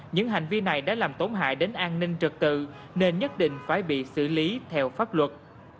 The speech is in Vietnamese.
những hành vi này đã làm tổn hại đến an ninh trật tự nên nhất định phải bị xử lý theo pháp luật